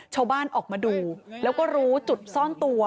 ชาวบ้านออกมาดูแล้วก็รู้จุดซ่อนตัว